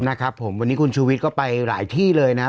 นะครับผมวันนี้คุณชูวิทย์ก็ไปหลายที่เลยนะครับ